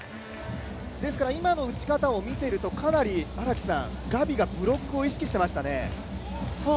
今の打ち方を見てると、かなりガビがブロックを意識していましたね。